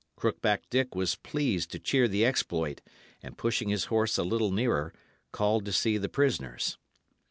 Crookback Dick was pleased to cheer the exploit, and pushing his horse a little nearer, called to see the prisoners.